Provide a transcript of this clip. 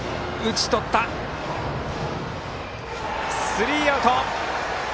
スリーアウト。